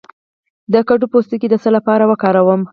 د کدو پوستکی د څه لپاره وکاروم؟